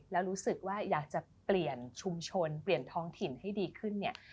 แล้วรู้สึกว่าอยากจะเปลี่ยนชุมชนเปลี่ยนท้องถิ่นให้ดีขึ้นเนี่ย